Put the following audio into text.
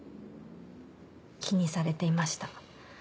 気にされていました。